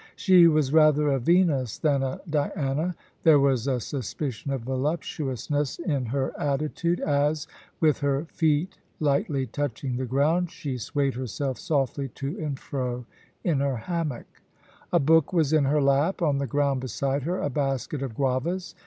She was rather a Venus than a Diana. There was a suspicion of voluptuousness in her AN AUSTRALIAN EXPLORER. 75 attitude, as, with her feet lightly touching the ground, she swayed herself softly to and fro in her hammock. A book was in her lap, on the ground beside her a basket of guavas.